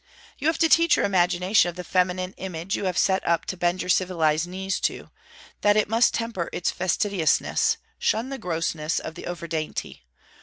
You have to teach your imagination of the feminine image you have set up to bend your civilized knees to, that it must temper its fastidiousness, shun the grossness of the over dainty.